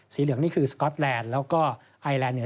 เหลืองนี่คือสก๊อตแลนด์แล้วก็ไอแลนด์เนี่ย